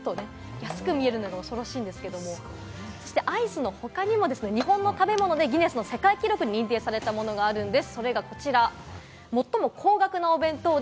値段は８８分の１ということで、安く見えるのが恐ろしいんですけれども、アイスの他にも日本の食べ物でギネス世界記録に認定されたものがあるんです。